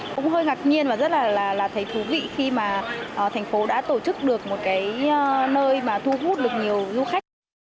cũng hơi ngạc nhiên và rất là thấy thú vị khi mà thành phố đã tổ chức được một cái nơi mà thu hút được nhiều du khách